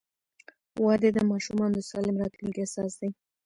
• واده د ماشومانو د سالم راتلونکي اساس دی.